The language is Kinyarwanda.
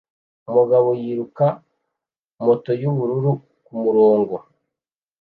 Umugabo yiruka moto yubururu kumurongo